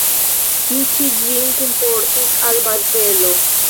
Tiu ĉi ĝin kunportis al Bazelo.